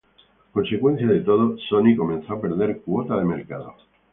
Consecuencia de todo, Sony comenzó a perder cuota de mercado.